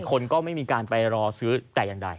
คนก็ไม่มีการไปรอซื้อแต่อย่างใด